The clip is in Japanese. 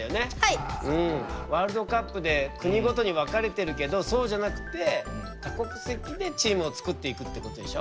ワールドカップで国ごとに分かれてるけどそうじゃなくて多国籍でチームを作っていくってことでしょ。